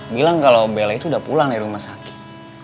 bilang kalau bela itu udah pulang dari rumah sakit